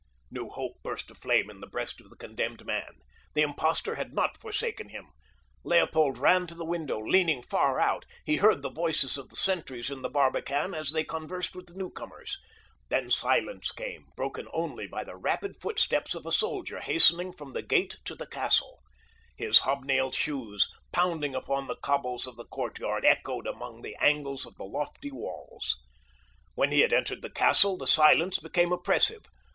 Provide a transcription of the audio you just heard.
New hope burst aflame in the breast of the condemned man. The impostor had not forsaken him. Leopold ran to the window, leaning far out. He heard the voices of the sentries in the barbican as they conversed with the newcomers. Then silence came, broken only by the rapid footsteps of a soldier hastening from the gate to the castle. His hobnail shoes pounding upon the cobbles of the courtyard echoed among the angles of the lofty walls. When he had entered the castle the silence became oppressive.